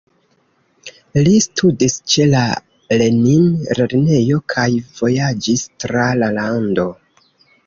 Li studis ĉe la Lenin-lernejo kaj vojaĝis tra la lando.